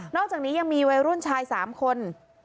อกจากนี้ยังมีวัยรุ่นชาย๓คน